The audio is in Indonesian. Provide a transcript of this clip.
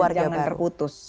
nah ini jangan terputus